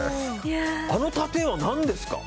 あの殺陣は何ですか？